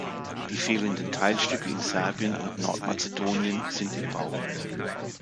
Die fehlenden Teilstücke in Serbien und Nordmazedonien sind in Bau.